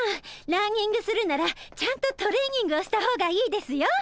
ランニングするならちゃんとトレーニングをした方がいいですよ。